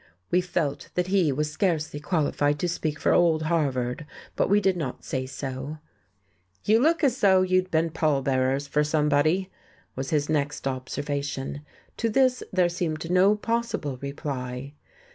We felt that he was scarcely qualified to speak for "old Harvard," but we did not say so. "You look as if you'd been pall bearers for somebody," was his next observation. To this there seemed no possible reply.